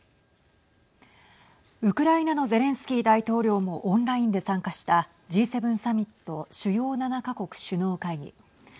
ウクライナのゼレンスキー大統領もオンラインで参加したＧ７サミット＝主要７か国首脳会議。